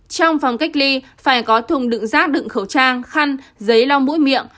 trong phòng cách ly phải có thùng đựng rác đựng khẩu trang khăn giấy la mũi miệng